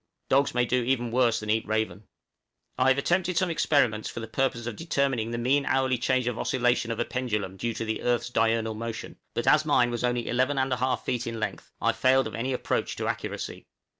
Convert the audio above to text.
Dogs may do even worse than eat raven. I have attempted some experiments for the purpose of determining the mean hourly change of oscillation of a pendulum due to the earth's diurnal motion; but as mine was only 11 1/2 feet in length, I failed of any approach to accuracy.